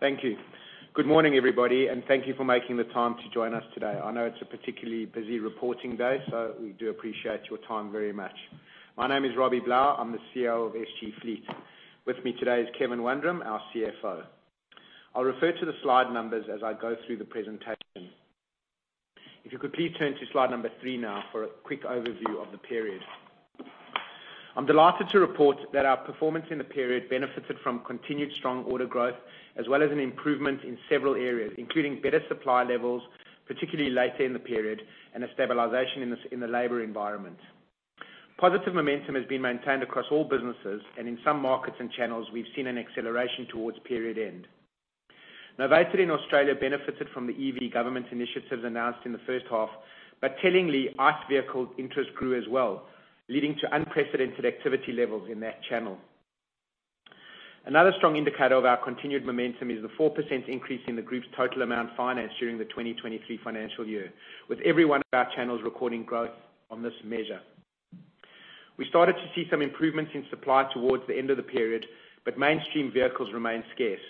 Thank you. Good morning, everybody, and thank you for making the time to join us today. I know it's a particularly busy reporting day, so we do appreciate your time very much. My name is Robbie Blau. I'm the CEO of SG Fleet. With me today is Kevin Wundram, our CFO. I'll refer to the slide numbers as I go through the presentation. If you could please turn to slide number three now for a quick overview of the period. I'm delighted to report that our performance in the period benefited from continued strong order growth, as well as an improvement in several areas, including better supply levels, particularly later in the period, and a stabilization in the s- in the labor environment. Positive momentum has been maintained across all businesses, and in some markets and channels, we've seen an acceleration towards period end. Novated in Australia benefited from the EV government initiatives announced in the first half. Tellingly, ICE vehicle interest grew as well, leading to unprecedented activity levels in that channel. Another strong indicator of our continued momentum is the 4% increase in the group's total amount financed during the 2023 financial year, with every one of our channels recording growth on this measure. We started to see some improvements in supply towards the end of the period. Mainstream vehicles remained scarce.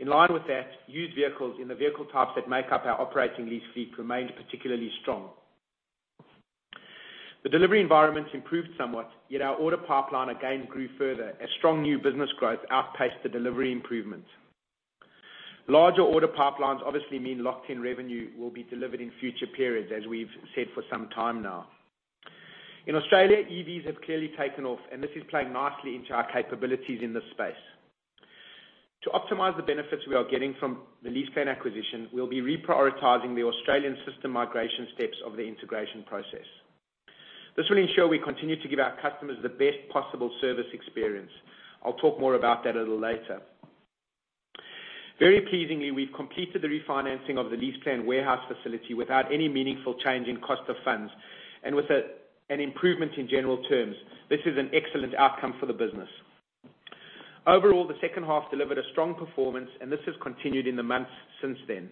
In line with that, used vehicles in the vehicle types that make up our operating lease fleet remained particularly strong. The delivery environment improved somewhat, yet our order pipeline again grew further as strong new business growth outpaced the delivery improvements. Larger order pipelines obviously mean locked-in revenue will be delivered in future periods, as we've said for some time now. In Australia, EVs have clearly taken off. This is playing nicely into our capabilities in this space. To optimize the benefits we are getting from the LeasePlan acquisition, we'll be reprioritizing the Australian system migration steps of the integration process. This will ensure we continue to give our customers the best possible service experience. I'll talk more about that a little later. Very pleasingly, we've completed the refinancing of the LeasePlan warehouse facility without any meaningful change in cost of funds, with an improvement in general terms. This is an excellent outcome for the business. Overall, the second half delivered a strong performance. This has continued in the months since then.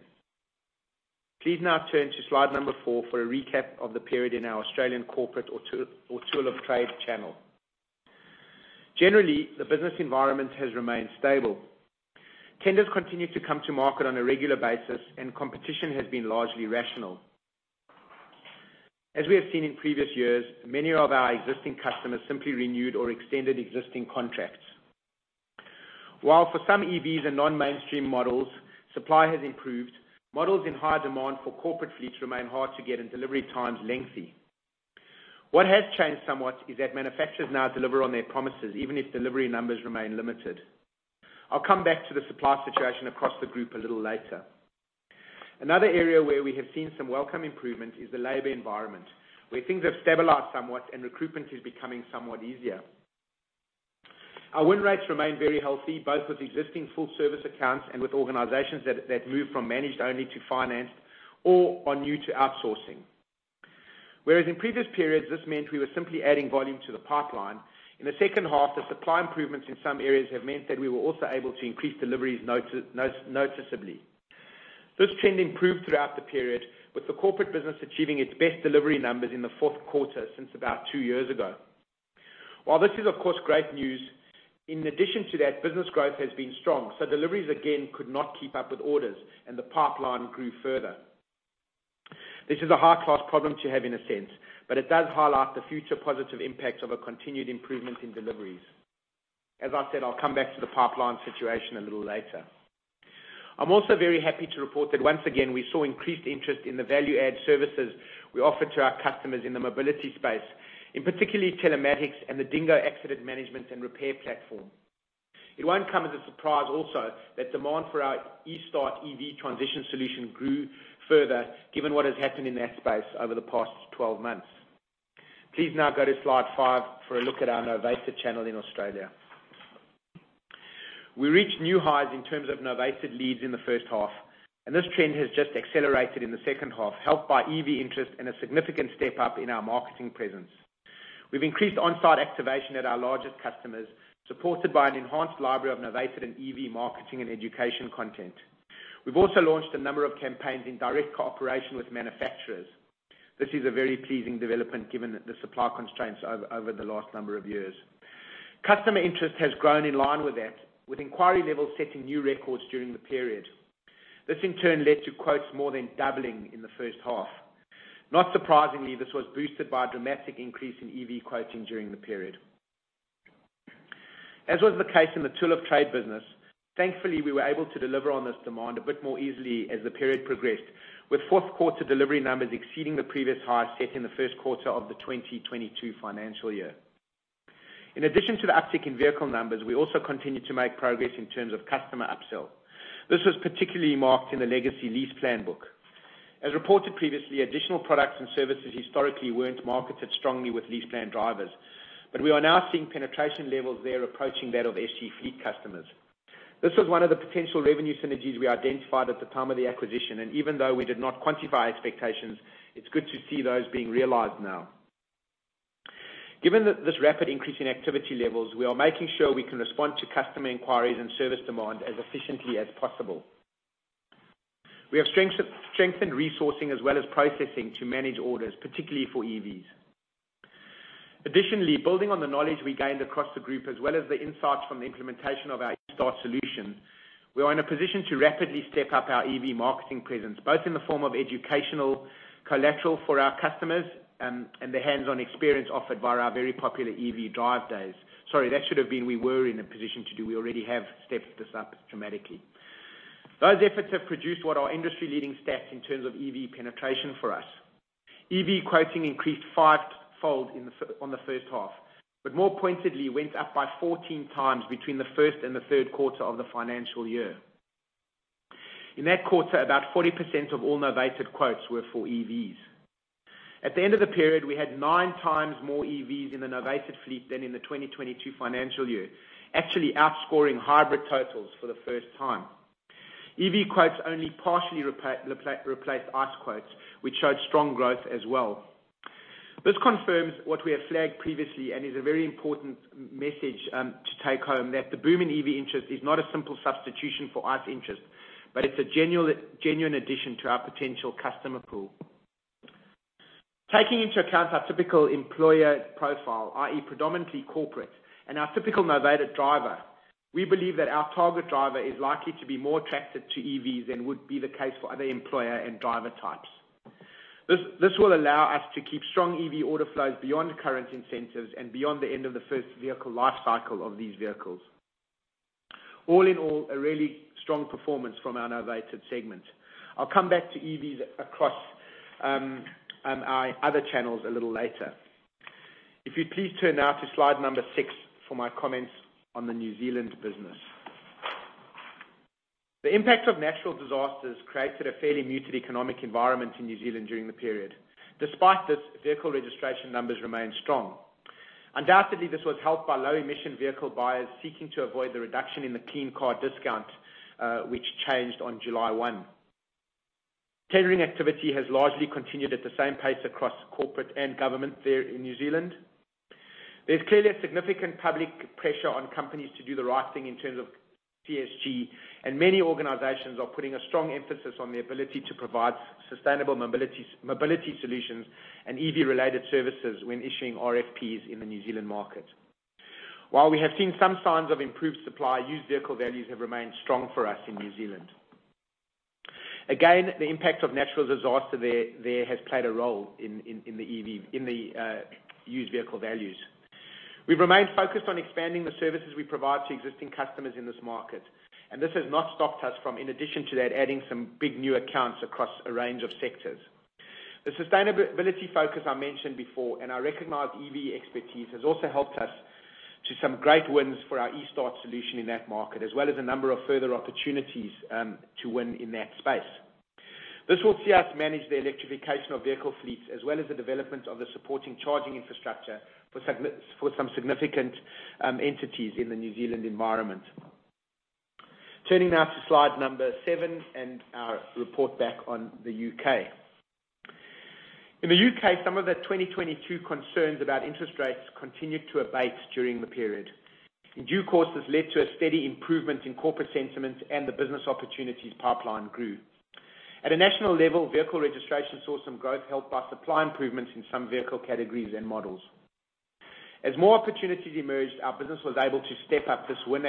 Please now turn to slide number four for a recap of the period in our Australian corporate or tool of trade channel. Generally, the business environment has remained stable. Tenders continue to come to market on a regular basis. Competition has been largely rational. As we have seen in previous years, many of our existing customers simply renewed or extended existing contracts. While for some EVs and non-mainstream models, supply has improved, models in high demand for corporate fleets remain hard to get and delivery times lengthy. What has changed somewhat is that manufacturers now deliver on their promises, even if delivery numbers remain limited. I'll come back to the supply situation across the group a little later. Another area where we have seen some welcome improvement is the labor environment, where things have stabilized somewhat and recruitment is becoming somewhat easier. Our win rates remain very healthy, both with existing full service accounts and with organizations that move from managed only to financed or are new to outsourcing. Whereas in previous periods, this meant we were simply adding volume to the pipeline, in the second half, the supply improvements in some areas have meant that we were also able to increase deliveries noticeably. This trend improved throughout the period, with the corporate business achieving its best delivery numbers in the fourth quarter since about two years ago. While this is, of course, great news, in addition to that, business growth has been strong, so deliveries again could not keep up with orders and the pipeline grew further. This is a high-class problem to have in a sense, but it does highlight the future positive impacts of a continued improvement in deliveries. As I said, I'll come back to the pipeline situation a little later. I'm also very happy to report that once again, we saw increased interest in the value-add services we offer to our customers in the mobility space, in particularly telematics and the DingGo Accident Management and repair platform. It won't come as a surprise also that demand for our eStart EV transition solution grew further, given what has happened in that space over the past 12 months. Please now go to slide five for a look at our novated channel in Australia. We reached new highs in terms of novated leads in the first half, and this trend has just accelerated in the second half, helped by EV interest and a significant step up in our marketing presence. We've increased on-site activation at our largest customers, supported by an enhanced library of novated and EV marketing and education content. We've also launched a number of campaigns in direct cooperation with manufacturers. This is a very pleasing development given the supply constraints over the last number of years. Customer interest has grown in line with that, with inquiry levels setting new records during the period. This, in turn, led to quotes more than doubling in the first half. Not surprisingly, this was boosted by a dramatic increase in EV quoting during the period. As was the case in the tool of trade business, thankfully, we were able to deliver on this demand a bit more easily as the period progressed, with fourth quarter delivery numbers exceeding the previous high set in the first quarter of the 2022 financial year. In addition to the uptick in vehicle numbers, we also continued to make progress in terms of customer upsell. This was particularly marked in the legacy LeasePlan book. As reported previously, additional products and services historically weren't marketed strongly with LeasePlan drivers, but we are now seeing penetration levels there approaching that of SG Fleet customers. This was one of the potential revenue synergies we identified at the time of the acquisition, and even though we did not quantify expectations, it's good to see those being realized now. Given this rapid increase in activity levels, we are making sure we can respond to customer inquiries and service demand as efficiently as possible. We have strengthened resourcing as well as processing to manage orders, particularly for EVs. Additionally, building on the knowledge we gained across the group, as well as the insights from the implementation of our eStart solution, we are in a position to rapidly step up our EV marketing presence, both in the form of educational collateral for our customers and the hands-on experience offered by our very popular EV drive days. Sorry, that should have been we were in a position to do. We already have stepped this up dramatically. Those efforts have produced what are industry-leading stats in terms of EV penetration for us. EV quoting increased fivefold on the 1st half, but more pointedly, went up by 14x between the 1st and the 3rd quarter of the financial year. In that quarter, about 40% of all novated quotes were for EVs. At the end of the period, we had nine times more EVs in the novated fleet than in the 2022 financial year, actually outscoring hybrid totals for the first time. EV quotes only partially replaced ICE quotes, which showed strong growth as well. This confirms what we have flagged previously and is a very important message to take home, that the boom in EV interest is not a simple substitution for ICE interest, but it's a genuine, genuine addition to our potential customer pool. Taking into account our typical employer profile, i.e., predominantly corporate and our typical novated driver, we believe that our target driver is likely to be more attracted to EVs than would be the case for other employer and driver types. This will allow us to keep strong EV order flows beyond current incentives and beyond the end of the first vehicle life cycle of these vehicles. All in all, a really strong performance from our novated segment. I'll come back to EVs across our other channels a little later. If you'd please turn now to slide number six for my comments on the New Zealand business. The impact of natural disasters created a fairly muted economic environment in New Zealand during the period. Despite this, vehicle registration numbers remained strong. Undoubtedly, this was helped by low-emission vehicle buyers seeking to avoid the reduction in the Clean Car Discount, which changed on July 1. Catering activity has largely continued at the same pace across corporate and government there in New Zealand. There's clearly a significant public pressure on companies to do the right thing in terms of ESG, and many organizations are putting a strong emphasis on the ability to provide sustainable mobilities, mobility solutions, and EV-related services when issuing RFPs in the New Zealand market. While we have seen some signs of improved supply, used vehicle values have remained strong for us in New Zealand. Again, the impact of natural disaster there has played a role in the EV- in the used vehicle values. We've remained focused on expanding the services we provide to existing customers in this market, and this has not stopped us from, in addition to that, adding some big new accounts across a range of sectors. The sustainability focus I mentioned before, and our recognized EV expertise, has also helped us to some great wins for our eStart solution in that market, as well as a number of further opportunities to win in that space. This will see us manage the electrification of vehicle fleets, as well as the development of the supporting charging infrastructure for some significant entities in the New Zealand environment. Turning now to slide number seven and our report back on the U.K. In the U.K., some of the 2022 concerns about interest rates continued to abate during the period. In due course, this led to a steady improvement in corporate sentiment, and the business opportunities pipeline grew. At a national level, vehicle registration saw some growth helped by supply improvements in some vehicle categories and models. As more opportunities emerged, our business was able to step up its win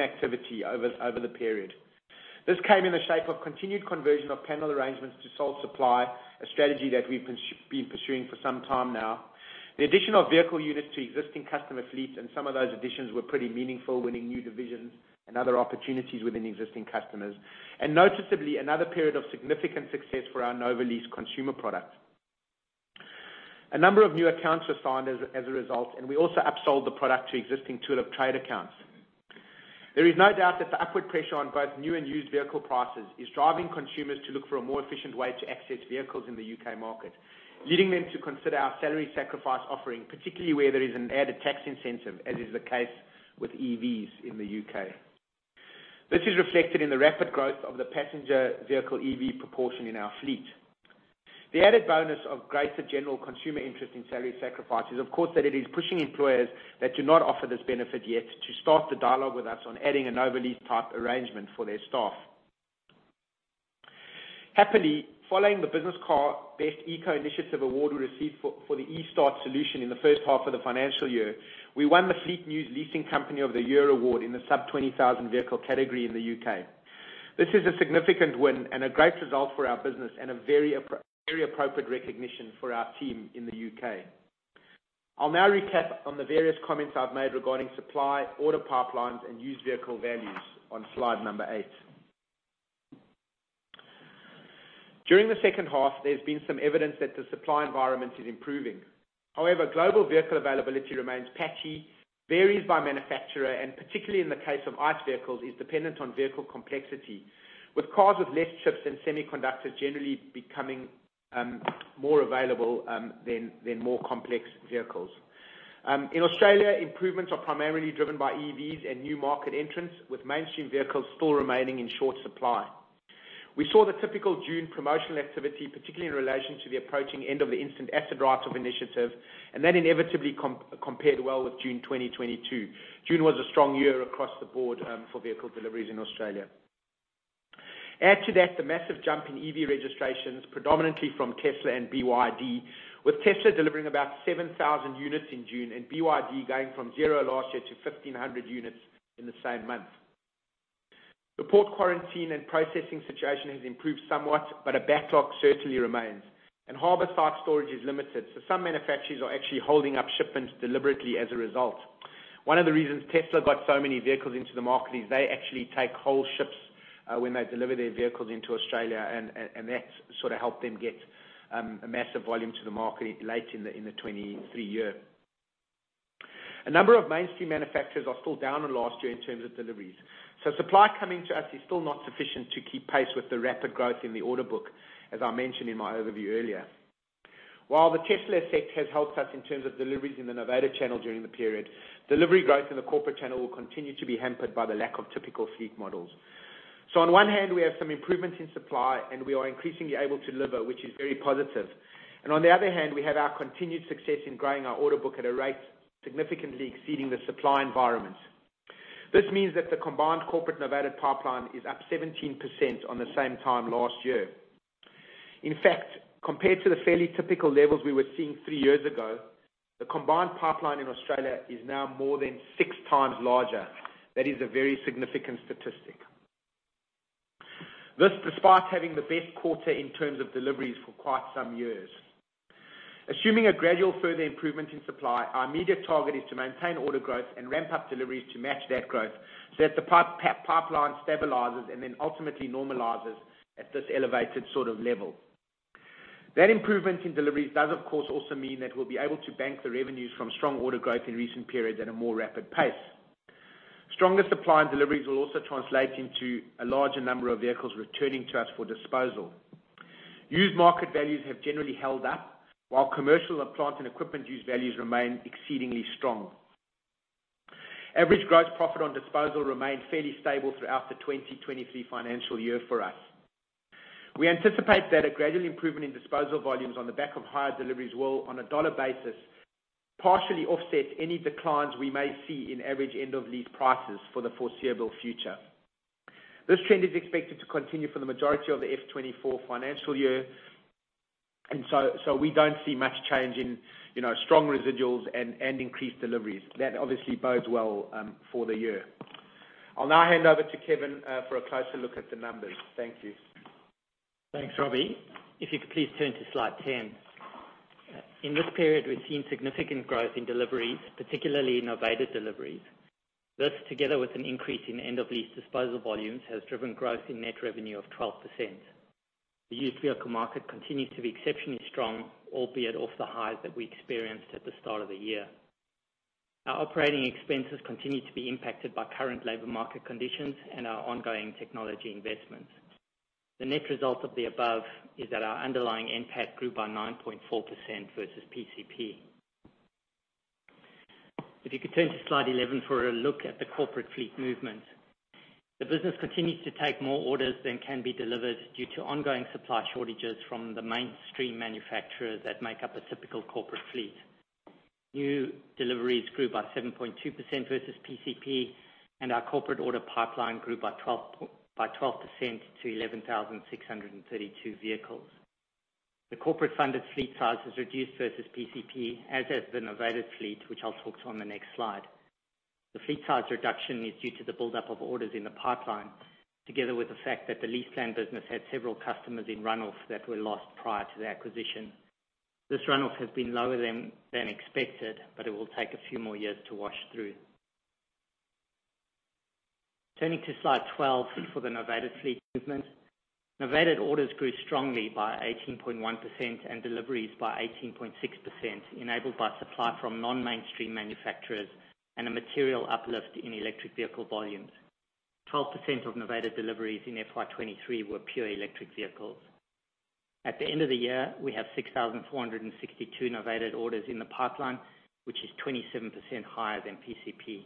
activity over the period. This came in the shape of continued conversion of panel arrangements to sole supply, a strategy that we've been pursuing for some time now. The addition of vehicle units to existing customer fleets and some of those additions were pretty meaningful, winning new divisions and other opportunities within existing customers. Noticeably, another period of significant success for our Novalease consumer product. A number of new accounts were signed as a result, and we also upsold the product to existing tool of trade accounts. There is no doubt that the upward pressure on both new and used vehicle prices is driving consumers to look for a more efficient way to access vehicles in the U.K. market, leading them to consider our salary sacrifice offering, particularly where there is an added tax incentive, as is the case with EVs in the U.K. This is reflected in the rapid growth of the passenger vehicle EV proportion in our fleet. The added bonus of greater general consumer interest in salary sacrifice is, of course, that it is pushing employers that do not offer this benefit yet to start the dialogue with us on adding a Novalease type arrangement for their staff. Happily, following the Business Car Best Eco Initiative award we received for the eStart solution in the first half of the financial year, we won the Fleet News Leasing Company of the Year award in the sub 20,000 vehicle category in the U.K. This is a significant win and a great result for our business, and a very appropriate recognition for our team in the U.K. I'll now recap on the various comments I've made regarding supply, order pipelines, and used vehicle values on slide number eight. During the second half, there's been some evidence that the supply environment is improving. However, global vehicle availability remains patchy, varies by manufacturer, and particularly in the case of ICE vehicles, is dependent on vehicle complexity, with cars with less chips and semiconductors generally becoming more available than more complex vehicles. In Australia, improvements are primarily driven by EVs and new market entrants, with mainstream vehicles still remaining in short supply. We saw the typical June promotional activity, particularly in relation to the approaching end of the instant asset write-off initiative, that inevitably compared well with June 2022. June was a strong year across the board for vehicle deliveries in Australia. Add to that, the massive jump in EV registrations, predominantly from Tesla and BYD, with Tesla delivering about 7,000 units in June and BYD going from zero last year to 1,500 units in the same month. The port quarantine and processing situation has improved somewhat, a backlog certainly remains, harbor site storage is limited, some manufacturers are actually holding up shipments deliberately as a result. One of the reasons Tesla got so many vehicles into the market is they actually take whole ships when they deliver their vehicles into Australia, and, and, and that's sort of helped them get a massive volume to the market late in the 2023 year. A number of mainstream manufacturers are still down on last year in terms of deliveries, so supply coming to us is still not sufficient to keep pace with the rapid growth in the order book, as I mentioned in my overview earlier. While the Tesla effect has helped us in terms of deliveries in the novated channel during the period, delivery growth in the corporate channel will continue to be hampered by the lack of typical fleet models. On one hand, we have some improvements in supply, and we are increasingly able to deliver, which is very positive. On the other hand, we have our continued success in growing our order book at a rate significantly exceeding the supply environment. This means that the combined corporate novated pipeline is up 17% on the same time last year. In fact, compared to the fairly typical levels we were seeing three years ago, the combined pipeline in Australia is now more than 6x larger. That is a very significant statistic. This, despite having the best quarter in terms of deliveries for quite some years. Assuming a gradual further improvement in supply, our immediate target is to maintain order growth and ramp up deliveries to match that growth, so that the pipeline stabilizes and then ultimately normalizes at this elevated sort of level. That improvement in deliveries does, of course, also mean that we'll be able to bank the revenues from strong order growth in recent periods at a more rapid pace. Stronger supply and deliveries will also translate into a larger number of vehicles returning to us for disposal. Used market values have generally held up, while commercial and plant and equipment use values remain exceedingly strong. Average gross profit on disposal remained fairly stable throughout the 2023 financial year for us. We anticipate that a gradual improvement in disposal volumes on the back of higher deliveries will, on a dollar basis, partially offset any declines we may see in average end-of-lease prices for the foreseeable future. This trend is expected to continue for the majority of the F 2024 financial year, so we don't see much change in, you know, strong residuals and increased deliveries. That obviously bodes well for the year. I'll now hand over to Kevin for a closer look at the numbers. Thank you. Thanks, Robbie. If you could please turn to slide 10. In this period, we've seen significant growth in deliveries, particularly in novated deliveries. This, together with an increase in end-of-lease disposal volumes, has driven growth in net revenue of 12%. The used vehicle market continues to be exceptionally strong, albeit off the highs that we experienced at the start of the year. Our operating expenses continue to be impacted by current labor market conditions and our ongoing technology investments. The net result of the above is that our underlying NPAT grew by 9.4% versus PCP. If you could turn to slide 11 for a look at the corporate fleet movement. The business continues to take more orders than can be delivered due to ongoing supply shortages from the mainstream manufacturers that make up a typical corporate fleet. New deliveries grew by 7.2% versus PCP. Our corporate order pipeline grew by 12% to 11,632 vehicles. The corporate funded fleet size has reduced versus PCP, as has the novated fleet, which I'll talk to on the next slide. The fleet size reduction is due to the buildup of orders in the pipeline, together with the fact that the LeasePlan business had several customers in run-off that were lost prior to the acquisition. This run-off has been lower than expected. It will take a few more years to wash through. Turning to slide 12 for the novated fleet movement. Novated orders grew strongly by 18.1% and deliveries by 18.6%, enabled by supply from non-mainstream manufacturers and a material uplift in electric vehicle volumes. 12% of novated deliveries in FY 2023 were pure electric vehicles. At the end of the year, we have 6,462 novated orders in the pipeline, which is 27% higher than PCP.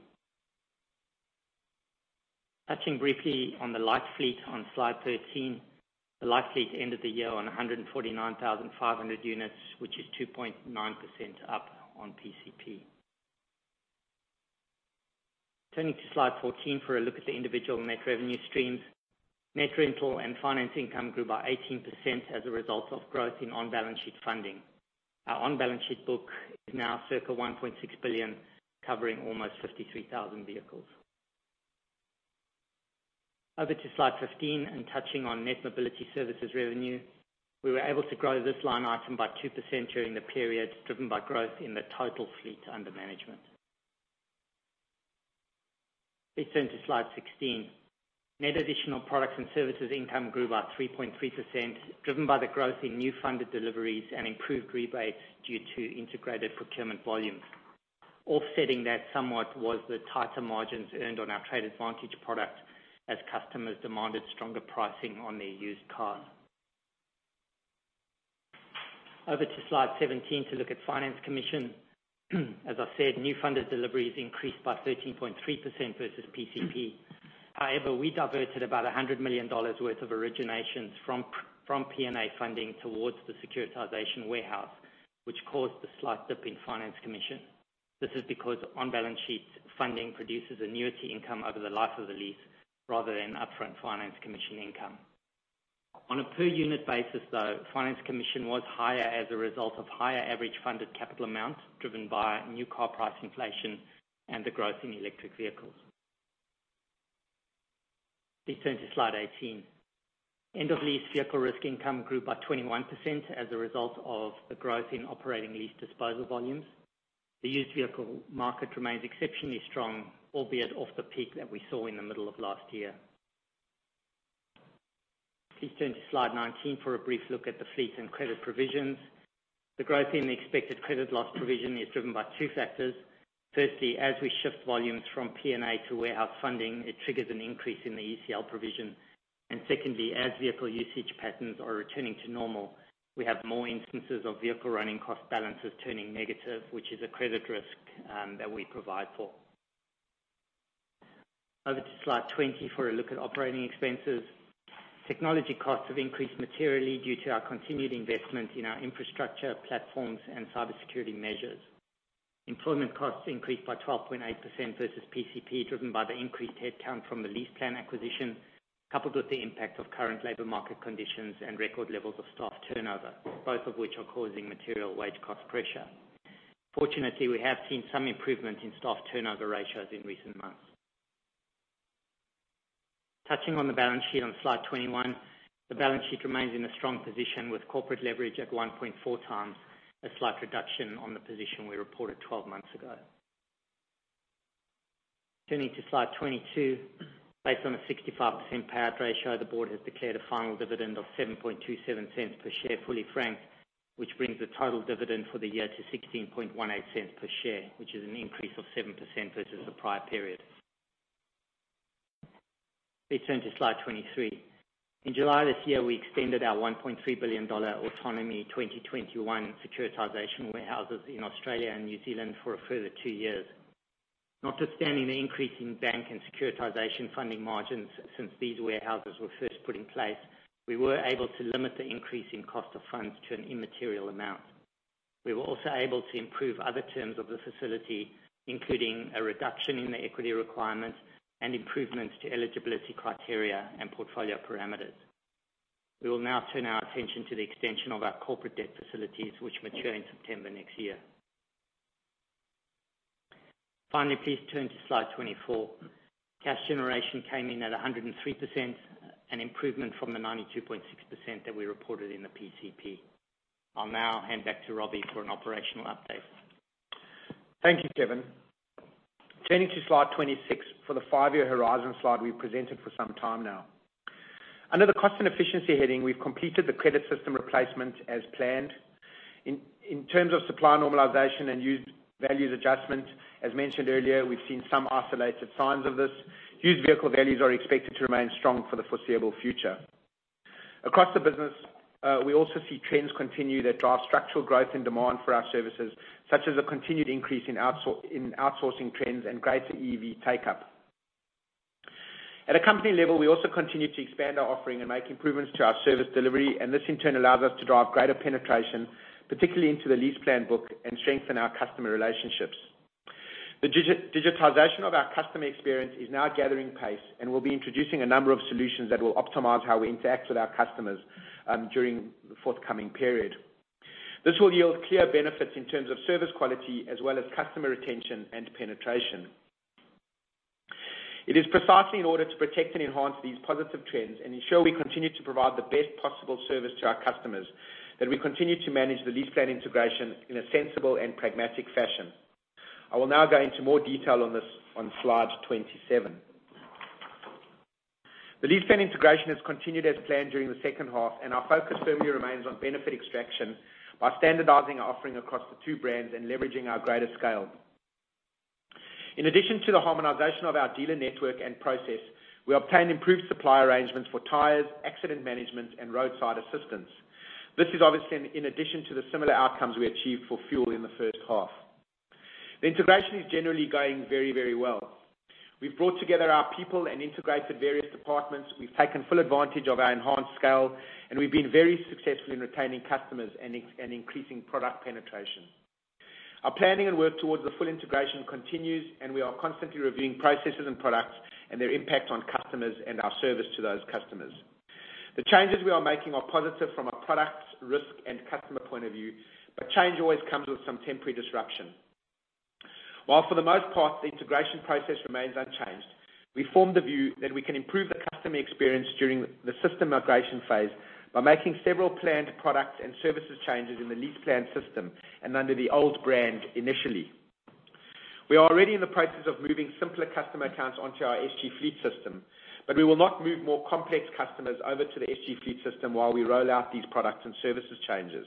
Touching briefly on the light fleet on slide 13. The light fleet ended the year on 149,500 units, which is 2.9% up on PCP. Turning to slide 14 for a look at the individual net revenue streams. Net rental and finance income grew by 18% as a result of growth in on-balance sheet funding. Our on-balance sheet book is now circa 1.6 billion, covering almost 53,000 vehicles. Over to slide 15, and touching on net mobility services revenue. We were able to grow this line item by 2% during the period, driven by growth in the total fleet under management. Please turn to slide 16. Net additional products and services income grew by 3.3%, driven by the growth in new funded deliveries and improved rebates due to integrated procurement volumes. Offsetting that somewhat was the tighter margins earned on our TradeAdvantage product, as customers demanded stronger pricing on their used cars. Over to slide 17 to look at finance commission. As I said, new funded deliveries increased by 13.3% versus PCP. However, we diverted about $100 million worth of originations from P&A funding towards the securitization warehouse, which caused a slight dip in finance commission. This is because on-balance sheet funding produces annuity income over the life of the lease rather than upfront finance commission income. On a per unit basis, though, finance commission was higher as a result of higher average funded capital amounts, driven by new car price inflation and the growth in electric vehicles. Please turn to slide 18. End-of-lease vehicle risk income grew by 21% as a result of the growth in operating lease disposal volumes. The used vehicle market remains exceptionally strong, albeit off the peak that we saw in the middle of last year. Please turn to slide 19 for a brief look at the fleet and credit provisions. The growth in the expected credit loss provision is driven by two factors. Firstly, as we shift volumes from P&A to warehouse funding, it triggers an an increase in the ECL provision. Secondly, as vehicle usage patterns are returning to normal, we have more instances of vehicle running cost balances turning negative, which is a credit risk that we provide for. Over to slide 20 for a look at operating expenses. Technology costs have increased materially due to our continued investment in our infrastructure, platforms, and cybersecurity measures. Employment costs increased by 12.8% versus PCP, driven by the increased headcount from the LeasePlan acquisition, coupled with the impact of current labor market conditions and record levels of staff turnover, both of which are causing material wage cost pressure. Fortunately, we have seen some improvement in staff turnover ratios in recent months. Touching on the balance sheet on slide 21, the balance sheet remains in a strong position with corporate leverage at 1.4x, a slight reduction on the position we reported 12 months ago. Turning to slide 22, based on a 65% payout ratio, the board has declared a final dividend of 0.0727 per share, fully franked, which brings the total dividend for the year to 0.1618 per share, which is an increase of 7% versus the prior period. Please turn to slide 23. In July this year, we extended our 1.3 billion dollar Autonomy 2021-1 securitization warehouses in Australia and New Zealand for a further two years. Notwithstanding the increase in bank and securitization funding margins since these warehouses were first put in place, we were able to limit the increase in cost of funds to an immaterial amount. We were also able to improve other terms of the facility, including a reduction in the equity requirements and improvements to eligibility criteria and portfolio parameters. We will now turn our attention to the extension of our corporate debt facilities, which mature in September 2024. Finally, please turn to slide 24. Cash generation came in at 103%, an improvement from the 92.6% that we reported in the PCP. I'll now hand back to Robbie for an operational update. Thank you, Kevin. Turning to slide 26, for the five-year horizon slide we've presented for some time now. Under the Cost and Efficiency heading, we've completed the credit system replacement as planned. In terms of supply normalization and used values adjustment, as mentioned earlier, we've seen some isolated signs of this. Used vehicle values are expected to remain strong for the foreseeable future. Across the business, we also see trends continue that drive structural growth and demand for our services, such as a continued increase in outsourcing trends and greater EV take-up. At a company level, we also continue to expand our offering and make improvements to our service delivery, and this, in turn, allows us to drive greater penetration, particularly into the LeasePlan book and strengthen our customer relationships. The digitization of our customer experience is now gathering pace. We'll be introducing a number of solutions that will optimize how we interact with our customers during the forthcoming period. This will yield clear benefits in terms of service quality as well as customer retention and penetration. It is precisely in order to protect and enhance these positive trends and ensure we continue to provide the best possible service to our customers, that we continue to manage the LeasePlan integration in a sensible and pragmatic fashion. I will now go into more detail on this on slide 27. The LeasePlan integration has continued as planned during the second half. Our focus firmly remains on benefit extraction by standardizing our offering across the two brands and leveraging our greater scale. In addition to the harmonization of our dealer network and process, we obtained improved supply arrangements for tires, accident management, and roadside assistance. This is obviously in addition to the similar outcomes we achieved for fuel in the first half. The integration is generally going very, very well. We've brought together our people and integrated various departments, we've taken full advantage of our enhanced scale, we've been very successful in retaining customers and increasing product penetration. Our planning and work towards the full integration continues, we are constantly reviewing processes and products and their impact on customers and our service to those customers. The changes we are making are positive from a product, risk, and customer point of view, change always comes with some temporary disruption. While for the most part, the integration process remains unchanged, we form the view that we can improve the customer experience during the system migration phase by making several planned product and services changes in the LeasePlan system and under the old brand initially. We are already in the process of moving simpler customer accounts onto our SG Fleet system, but we will not move more complex customers over to the SG Fleet system while we roll out these products and services changes.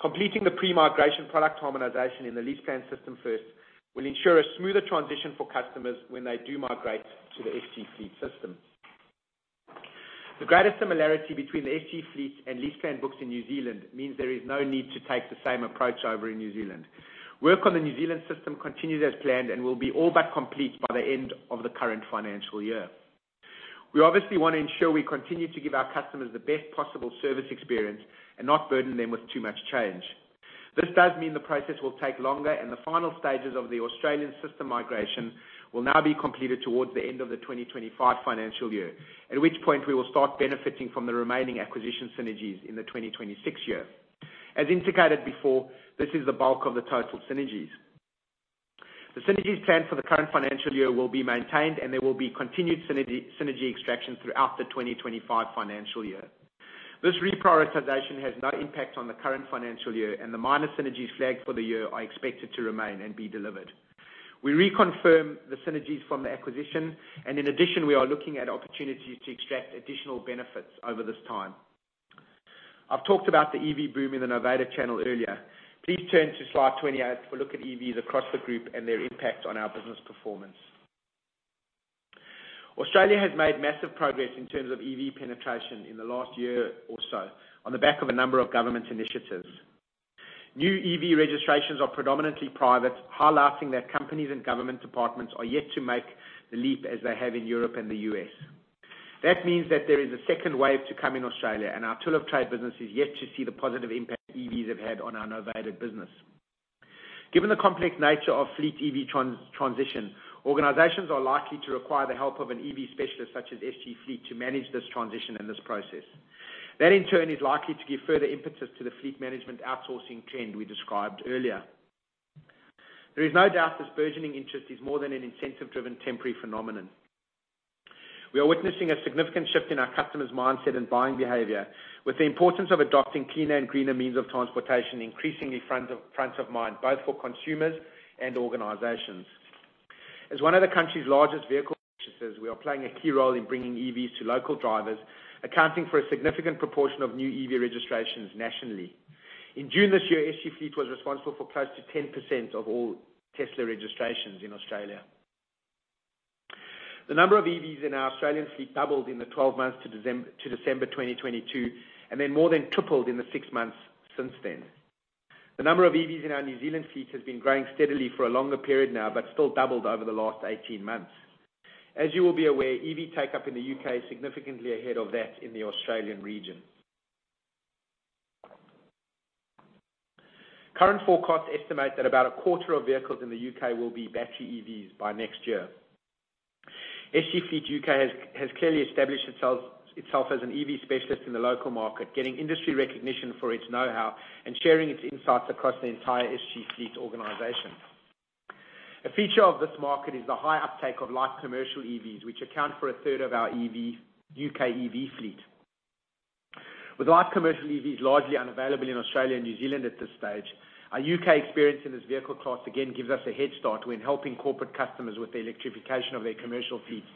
Completing the pre-migration product harmonization in the LeasePlan system first, will ensure a smoother transition for customers when they do migrate to the SG Fleet system. The greater similarity between the SG Fleet and LeasePlan books in New Zealand means there is no need to take the same approach over in New Zealand. Work on the New Zealand system continues as planned and will be all but complete by the end of the current financial year. We obviously want to ensure we continue to give our customers the best possible service experience and not burden them with too much change. This does mean the process will take longer, and the final stages of the Australian system migration will now be completed towards the end of the 2025 financial year, at which point we will start benefiting from the remaining acquisition synergies in the 2026 year. As indicated before, this is the bulk of the total synergies. The synergies planned for the current financial year will be maintained, and there will be continued synergy extraction throughout the 2025 financial year. This reprioritization has no impact on the current financial year. The minor synergies flagged for the year are expected to remain and be delivered. We reconfirm the synergies from the acquisition. In addition, we are looking at opportunities to extract additional benefits over this time. I've talked about the EV boom in the novated channel earlier. Please turn to slide 28 for a look at EVs across the group and their impact on our business performance. Australia has made massive progress in terms of EV penetration in the last year or so on the back of a number of government initiatives. New EV registrations are predominantly private, highlighting that companies and government departments are yet to make the leap as they have in Europe and the U.S. That means that there is a second wave to come in Australia, and our tool of trade business is yet to see the positive impact EVs have had on our novated business. Given the complex nature of fleet EV transition, organizations are likely to require the help of an EV specialist, such as SG Fleet, to manage this transition and this process. That, in turn, is likely to give further impetus to the fleet management outsourcing trend we described earlier. There is no doubt this burgeoning interest is more than an incentive-driven temporary phenomenon. We are witnessing a significant shift in our customers' mindset and buying behavior, with the importance of adopting cleaner and greener means of transportation increasingly front of mind, both for consumers and organizations. As one of the country's largest vehicle purchasers, we are playing a key role in bringing EVs to local drivers, accounting for a significant proportion of new EV registrations nationally. In June this year, SG Fleet was responsible for close to 10% of all Tesla registrations in Australia. The number of EVs in our Australian fleet doubled in the 12 months to December 2022, and then more than tripled in the 6 months since then. The number of EVs in our New Zealand fleet has been growing steadily for a longer period now, but still doubled over the last 18 months. As you will be aware, EV take-up in the U.K. is significantly ahead of that in the Australian region. Current forecasts estimate that about a quarter of vehicles in the U.K. will be battery EVs by next year. SG Fleet U.K. has clearly established itself as an EV specialist in the local market, getting industry recognition for its know-how and sharing its insights across the entire SG Fleet organization. A feature of this market is the high uptake of light commercial EVs, which account for one-third of our U.K. EV fleet. With light commercial EVs largely unavailable in Australia and New Zealand at this stage, our U.K. experience in this vehicle class, again, gives us a head start when helping corporate customers with the electrification of their commercial fleets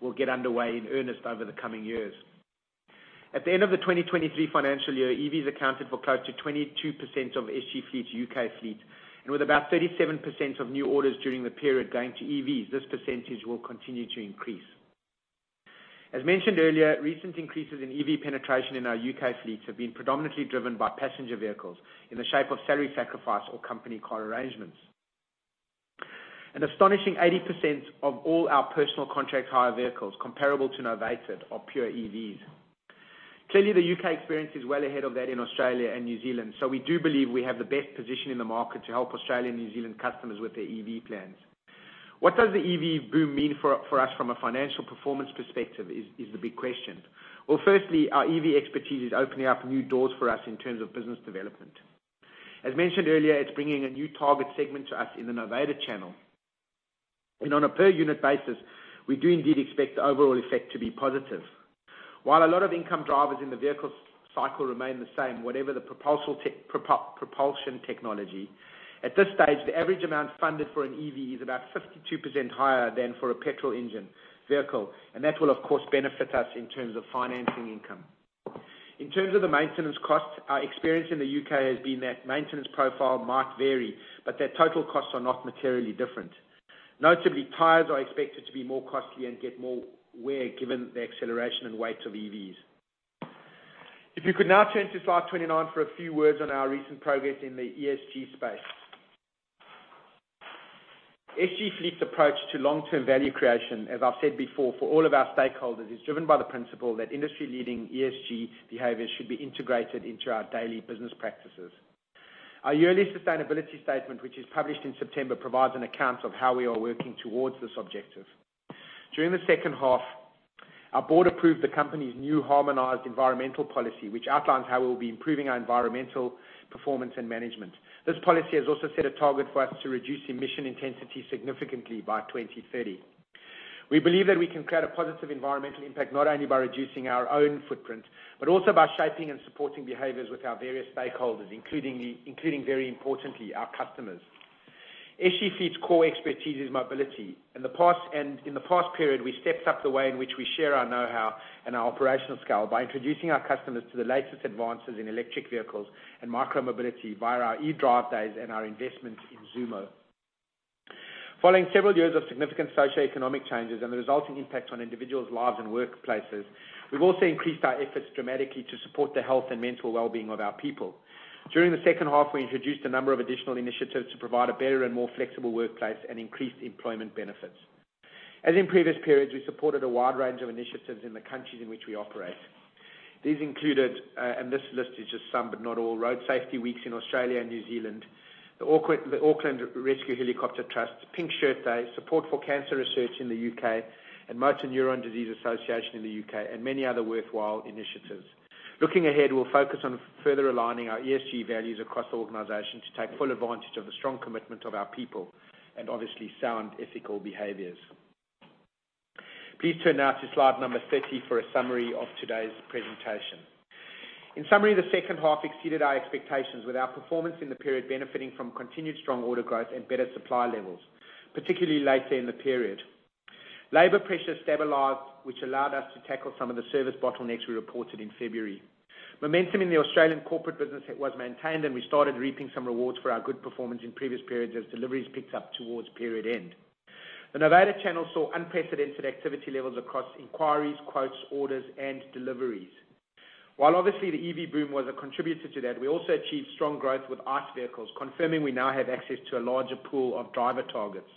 will get underway in earnest over the coming years. At the end of the 2023 financial year, EVs accounted for close to 22% of SG Fleet's U.K. fleet, and with about 37% of new orders during the period going to EVs, this percentage will continue to increase. As mentioned earlier, recent increases in EV penetration in our U.K. fleets have been predominantly driven by passenger vehicles in the shape of salary sacrifice or company car arrangements. An astonishing 80% of all our personal contract hire vehicles, comparable to novated, are pure EVs. The U.K. experience is well ahead of that in Australia and New Zealand, so we do believe we have the best position in the market to help Australian and New Zealand customers with their EV plans. What does the EV boom mean for us from a financial performance perspective is the big question. Well, firstly, our EV expertise is opening up new doors for us in terms of business development. As mentioned earlier, it's bringing a new target segment to us in the novated channel, and on a per unit basis, we do indeed expect the overall effect to be positive. While a lot of income drivers in the vehicle cycle remain the same, whatever the propulsion technology, at this stage, the average amount funded for an EV is about 52% higher than for a petrol engine vehicle. That will, of course, benefit us in terms of financing income. In terms of the maintenance costs, our experience in the U.K. has been that maintenance profile might vary, but their total costs are not materially different. Notably, tires are expected to be more costly and get more wear, given the acceleration and weight of EVs. If you could now turn to slide 29 for a few words on our recent progress in the ESG space. SG Fleet's approach to long-term value creation, as I've said before, for all of our stakeholders, is driven by the principle that industry-leading ESG behavior should be integrated into our daily business practices. Our yearly sustainability statement, which is published in September, provides an account of how we are working towards this objective. During the second half, our board approved the company's new harmonized environmental policy, which outlines how we'll be improving our environmental performance and management. This policy has also set a target for us to reduce emission intensity significantly by 2030. We believe that we can create a positive environmental impact, not only by reducing our own footprint, but also by shaping and supporting behaviors with our various stakeholders, including, very importantly, our customers. SG Fleet's core expertise is mobility. In the past and... In the past period, we stepped up the way in which we share our know-how and our operational scale by introducing our customers to the latest advances in electric vehicles and micromobility via our EV drive days and our investments in Zoomo. Following several years of significant socioeconomic changes and the resulting impact on individuals' lives and workplaces, we've also increased our efforts dramatically to support the health and mental well-being of our people. During the second half, we introduced a number of additional initiatives to provide a better and more flexible workplace and increased employment benefits. As in previous periods, we supported a wide range of initiatives in the countries in which we operate. These included, and this list is just some but not all: Road Safety Week in Australia and New Zealand, the Auckland Rescue Helicopter Trust, Pink Shirt Day, support for cancer research in the U.K., and Motor Neurone Disease Association in the U.K., and many other worthwhile initiatives. Looking ahead, we'll focus on further aligning our ESG values across the organization to take full advantage of the strong commitment of our people, and obviously, sound ethical behaviors. Please turn now to slide number 30 for a summary of today's presentation. In summary, the second half exceeded our expectations, with our performance in the period benefiting from continued strong order growth and better supply levels, particularly later in the period. Labor pressures stabilized, which allowed us to tackle some of the service bottlenecks we reported in February. Momentum in the Australian corporate business it was maintained. We started reaping some rewards for our good performance in previous periods as deliveries picked up towards period end. The novated channel saw unprecedented activity levels across inquiries, quotes, orders, and deliveries. While obviously the EV boom was a contributor to that, we also achieved strong growth with ICE vehicles, confirming we now have access to a larger pool of driver targets.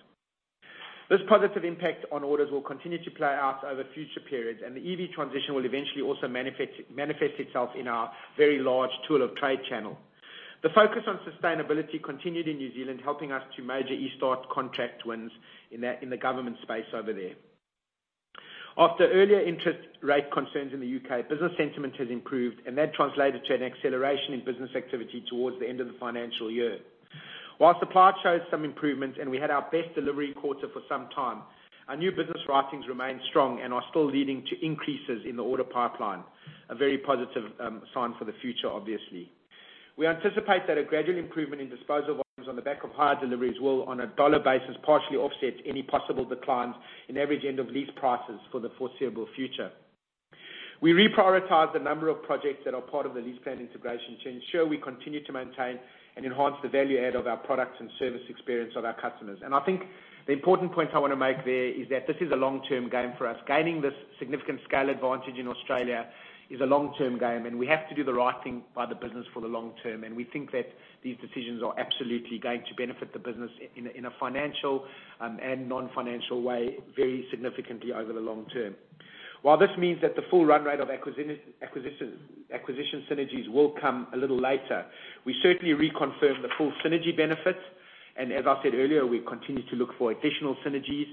This positive impact on orders will continue to play out over future periods. The EV transition will eventually also manifest itself in our very large tool of trade channel. The focus on sustainability continued in New Zealand, helping us to major eStart contract wins in the government space over there. After earlier interest rate concerns in the U.K., business sentiment has improved, and that translated to an acceleration in business activity towards the end of the financial year. While supply showed some improvements, and we had our best delivery quarter for some time, our new business writings remain strong and are still leading to increases in the order pipeline, a very positive sign for the future, obviously. We anticipate that a gradual improvement in disposal volumes on the back of higher deliveries will, on a dollar basis, partially offset any possible declines in average end of lease prices for the foreseeable future. We reprioritized a number of projects that are part of the LeasePlan integration to ensure we continue to maintain and enhance the value add of our products and service experience of our customers. I think the important point I wanna make there is that this is a long-term game for us. Gaining this significant scale advantage in Australia is a long-term game, and we have to do the right thing by the business for the long term, and we think that these decisions are absolutely going to benefit the business in, in a financial and non-financial way, very significantly over the long term. While this means that the full run rate of acquisition, acquisition synergies will come a little later, we certainly reconfirm the full synergy benefits, and as I said earlier, we continue to look for additional synergies.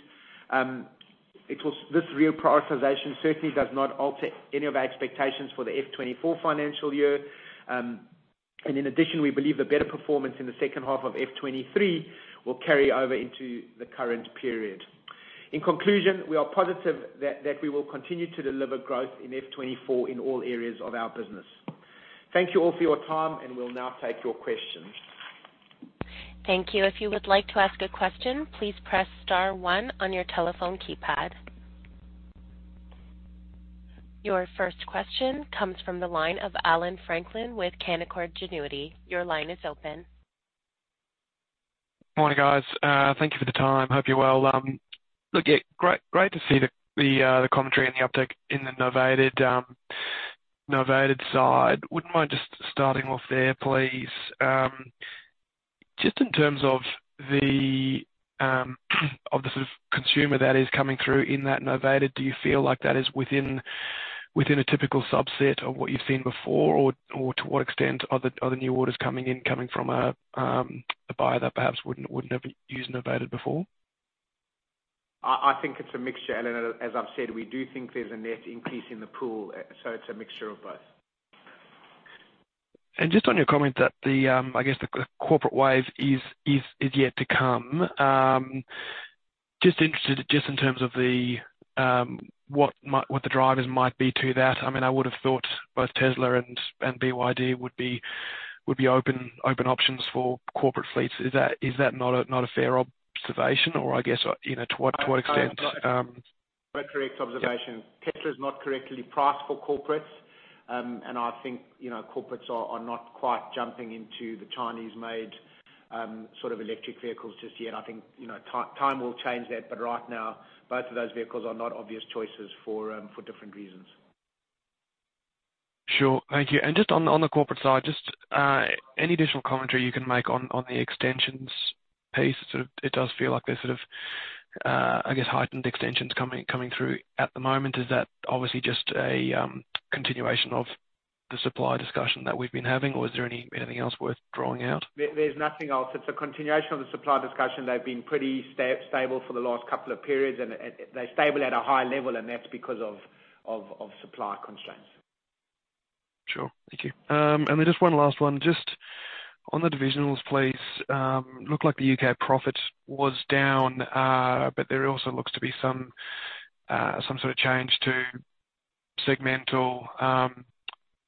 This reprioritization certainly does not alter any of our expectations for the F 2024 financial year. In addition, we believe the better performance in the second half of F 2023 will carry over into the current period. In conclusion, we are positive that we will continue to deliver growth in F 2024 in all areas of our business. Thank you all for your time, and we'll now take your questions. Thank you. If you would like to ask a question, please press star one on your telephone keypad. Your first question comes from the line of Allan Franklin with Canaccord Genuity. Your line is open. Morning, guys. Thank you for the time. Hope you're well. Look, yeah, great, great to see the, the, the commentary and the uptick in the novated, novated side. Wouldn't mind just starting off there, please. Just in terms of the, of the sort of consumer that is coming through in that novated, do you feel like that is within, within a typical subset of what you've seen before? Or to what extent are the, are the new orders coming in, coming from a, a buyer that perhaps wouldn't, wouldn't have used novated before? I think it's a mixture, Alan. As I've said, we do think there's a net increase in the pool, so it's a mixture of both. Just on your comment that the, I guess, the, the corporate wave is, is, is yet to come, just interested, just in terms of the, what might- what the drivers might be to that. I mean, I would have thought both Tesla and BYD would be, would be open, open options for corporate fleets. Is that, is that not a, not a fair observation? Or I guess, you know, to what, to what extent? A correct observation. Yeah. Tesla is not correctly priced for corporates, and I think, you know, corporates are, are not quite jumping into the Chinese-made, sort of electric vehicles just yet. I think, you know, time will change that, but right now, both of those vehicles are not obvious choices for, for different reasons. Sure. Thank you. Just on, on the corporate side, just, any additional commentary you can make on, on the extensions piece? Sort of it does feel like there's sort of, I guess, heightened extensions coming, coming through at the moment. Is that obviously just a, continuation of the supply discussion that we've been having, or is there anything else worth drawing out? There, there's nothing else. It's a continuation of the supply discussion. They've been pretty stable for the last couple of periods, and they're stable at a high level, and that's because of supply constraints. Sure. Thank you. Then just one last one, just on the divisionals, please, looked like the U.K. profit was down, there also looks to be some sort of change to segmental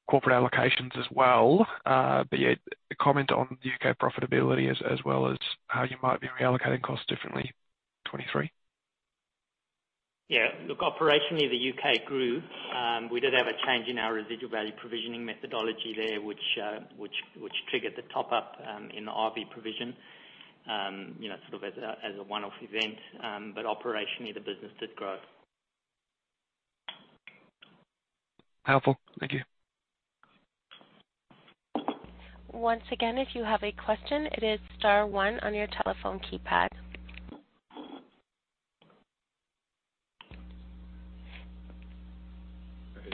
corporate allocations as well. Yeah, a comment on the U.K. profitability as, as well as how you might be reallocating costs differently, 2023? Yeah, look, operationally, the U.K. grew. We did have a change in our residual value provisioning methodology there, which, which, which triggered the top up in the RV provision, a one-off event. Operationally, the business did grow. Helpful. Thank you. Once again, if you have a question, it is star one on your telephone keypad.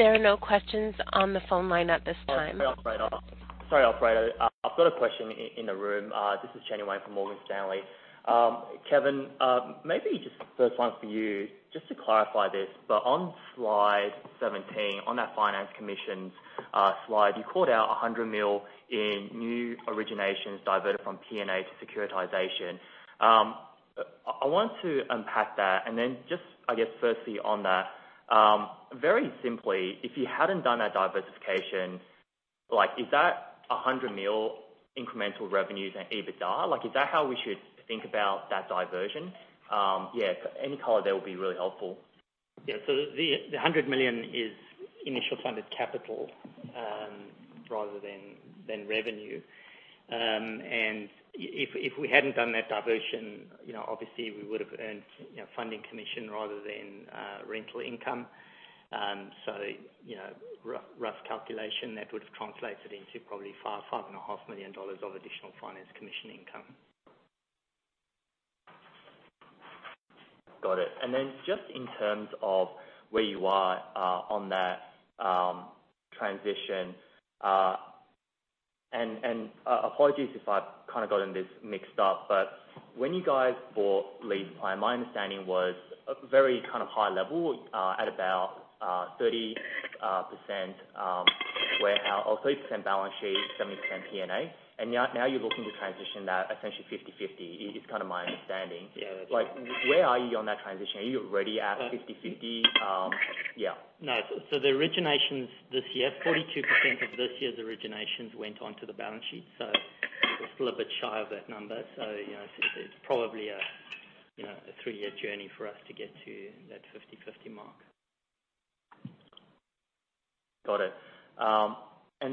There are no questions on the phone line at this time. Sorry, operator. Sorry, operator. I've got a question in the room. This is Chenny Wang from Morgan Stanley. Kevin, maybe just the first one for you, just to clarify this, but on slide 17, on that finance commissions slide, you called out 100 million in new originations diverted from P&A to securitization. I want to unpack that, and then just, I guess, firstly on that, very simply, if you hadn't done that diversification, like is that 100 million incremental revenues and EBITDA? Like, is that how we should think about that diversion? Yeah, any color there will be really helpful. Yeah. The, the 100 million is initial funded capital, rather than revenue. If, if we hadn't done that diversion, you know, obviously we would have earned, you know, funding commission rather than rental income. rough calculation, that would have translated into probably 5.5 million dollars of additional finance commission income. Got it. Just in terms of where you are on that transition, and, and apologies if I've kind of gotten this mixed up, but when you guys bought LeasePlan, my understanding was a very kind of high level, at about 30% warehouse or 30% balance sheet, 70% P&A. Now, now you're looking to transition that essentially 50/50. It's kind of my understanding. Yeah. Like, where are you on that transition? Are you already at 50/50? Yeah. No. The originations this year, 42% of this year's originations went on to the balance sheet, so we're still a bit shy of that number. You know, it's probably a, you know, a three-year journey for us to get to that 50/50 mark. Got it.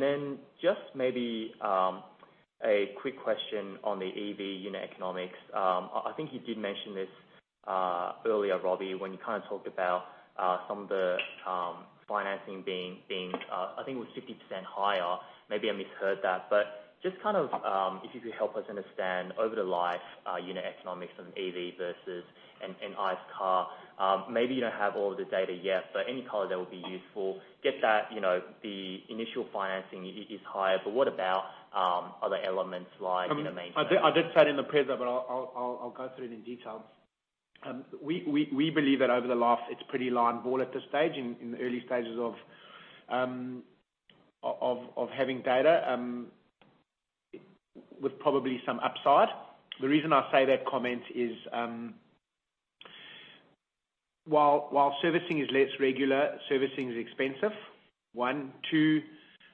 Then just maybe a quick question on the EV unit economics. I, I think you did mention this earlier, Robbie, when you kind of talked about some of the financing being, being, I think it was 50% higher. Maybe I misheard that. Just kind of, if you could help us understand over the life, unit economics of an EV versus an, an ICE car. Maybe you don't have all the data yet, but any color that would be useful. Get that, you know, the initial financing is, is higher, but what about other elements like- I did, I did say it in the presenter, but I'll, I'll, I'll go through it in detail. We, we, we believe that over the life, it's pretty line ball at this stage, in the early stages of having data, with probably some upside. The reason I say that comment is, while servicing is less regular, servicing is expensive, one. Two,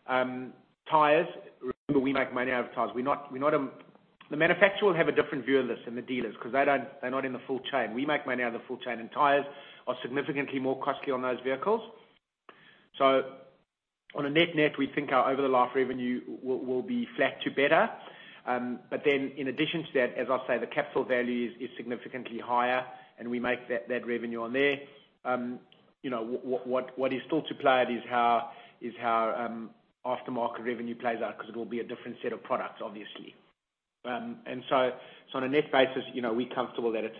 tires, remember, we make money out of tires. We're not, we're not a... The manufacturers have a different view of this than the dealers, 'cause they don't, they're not in the full chain. We make money out of the full chain. Tires are significantly more costly on those vehicles. On a net-net, we think our over the life revenue will, will be flat to better. Then in addition to that, as I say, the capital value is, is significantly higher, and we make that, that revenue on there. You know, what, what is still supplied is how, is how, aftermarket revenue plays out, because it will be a different set of products, obviously. So, so on a net basis, you know, we're comfortable that it's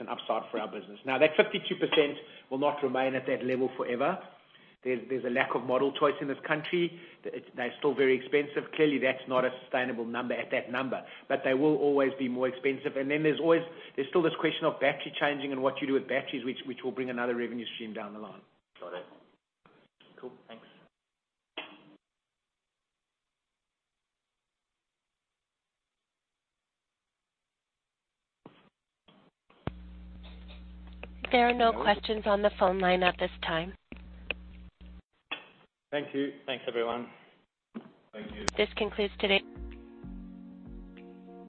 an upside for our business. Now, that 52% will not remain at that level forever. There's, there's a lack of model choice in this country. They're still very expensive. Clearly, that's not a sustainable number at that number, but they will always be more expensive. Then there's still this question of battery changing and what you do with batteries, which, which will bring another revenue stream down the line. Got it. Cool. Thanks. There are no questions on the phone line at this time. Thank you. Thanks, everyone. Thank you. This concludes today's-